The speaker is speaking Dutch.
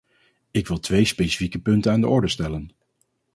Ik wil twee specifieke punten aan de orde stellen.